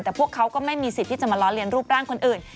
แต่พวกเขาก็ไม่มีสิทธิ์ที่จะมาล้อเลียนรูปร่างคนอื่น